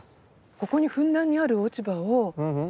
ここにふんだんにある落ち葉を利用して。